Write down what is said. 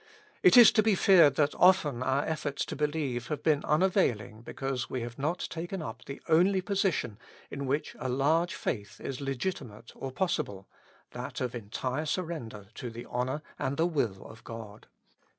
It is to be feared that often our efforts to believe have been unavailing 185 With Christ in the School of Prayer. because we have not taken up the only position in. which a large faith is legitimate or possible, — that of entire surrender to the honor and the will of God.